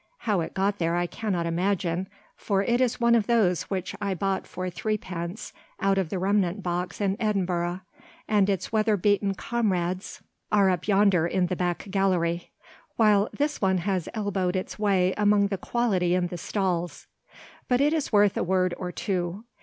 How it got there I cannot imagine, for it is one of those which I bought for threepence out of the remnant box in Edinburgh, and its weather beaten comrades are up yonder in the back gallery, while this one has elbowed its way among the quality in the stalls. But it is worth a word or two.